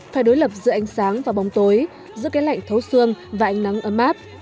phải đối lập giữa ánh sáng và bóng tối giữa cái lạnh thấu xương và ánh nắng ấm áp